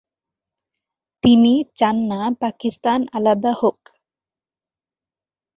তিনি চান না পাকিস্তান আলাদা হোক।